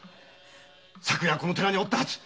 昨夜はこの寺におったはず。